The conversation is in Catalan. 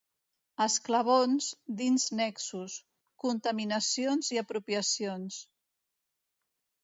Esclavons, dins Nexus; Contaminacions i Apropiacions.